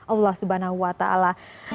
allah subhanahu wa ta'ala